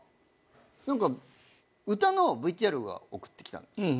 何か歌のＶＴＲ送ってきた。